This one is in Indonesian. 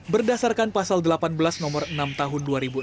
berdasarkan pasal delapan belas nomor enam tahun dua ribu enam belas